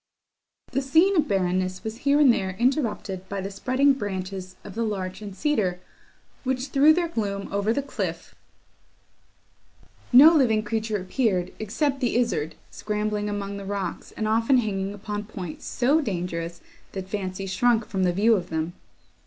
The scene of barrenness was here and there interrupted by the spreading branches of the larch and cedar, which threw their gloom over the cliff, or athwart the torrent that rolled in the vale. No living creature appeared, except the lizard, scrambling among the rocks, and often hanging upon points so dangerous, that fancy shrunk from the view of them.